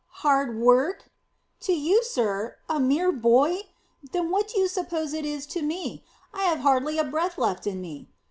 "Hard work! To you, sir a mere boy! Then what do you suppose it is to me? I have hardly a breath left in me."